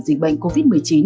dịch bệnh covid một mươi chín